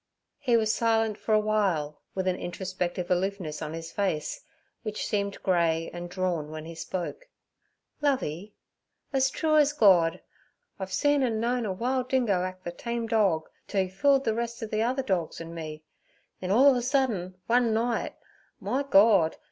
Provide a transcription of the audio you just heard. He was silent for a while, with an introspective aloofness on his face, which seemed grey and drawn when he spoke. 'Lovey, ez true ez Gord, I've see an' known a wile dingo act ther tame dorg, t' 'e fooled ther rest ov ther dorgs an' me; then all of a sudden one night, my Gord!